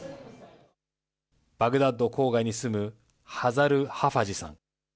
バグダッド郊外に住むハザル・ハファジさん。